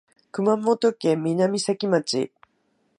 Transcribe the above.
熊本県南関町